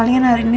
palingan hari ini